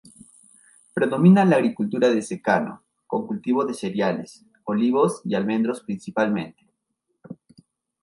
Predomina la agricultura de secano con cultivo de cereales, olivos y almendros principalmente.